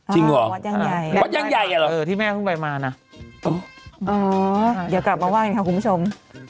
จริงเหรอวัดยังใหญ่อ่ะหรอโอ๊ยที่แม่ขึ้นไปมานะเออเดี๋ยวกลับมาว่างกันครับคุณผู้ชม